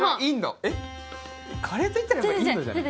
カレーといったらインドじゃないの！？